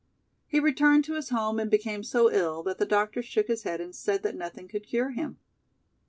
He returned to his home, and became so ill, that the doctor shook his head and said that nothing could cure him.